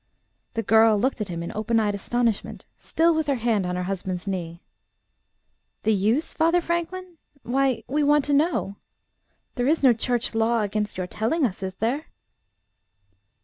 The girl looked at him in open eyed astonishment, still with her hand on her husband's knee. "The use, Father Franklin! Why, we want to know. There is no church law against your telling us, is there?"